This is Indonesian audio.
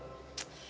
gak ada apa apa ya